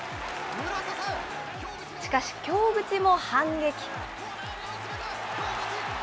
しかし、京口も反撃。